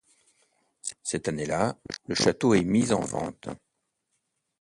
Cette année-là, le château est mis en vente.